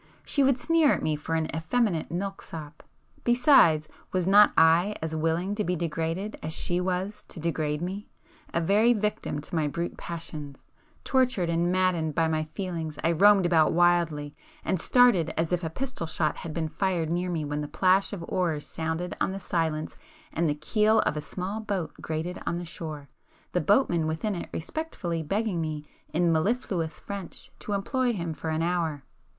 She would sneer at me for an effeminate milksop. Besides, was not I as willing to be degraded as she was to degrade me?—a very victim to my brute passions? Tortured and maddened by my feelings I roamed about wildly, and started as if a pistol shot had been fired near me when the plash of oars sounded on the silence [p 302] and the keel of a small boat grated on the shore, the boatman within it respectfully begging me in mellifluous French to employ him for an hour.